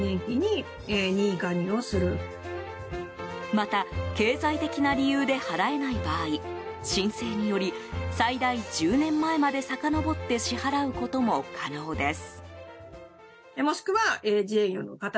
また、経済的な理由で払えない場合申請により最大１０年前までさかのぼって支払うことも可能です。